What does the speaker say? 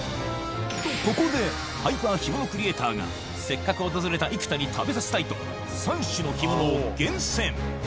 とここでハイパー干物クリエイターがせっかく訪れた生田に食べさせたいと３種の干物を厳選！